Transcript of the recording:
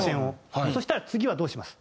そしたら次はどうします？